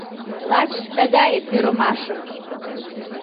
Лач тыгае пӱрымашым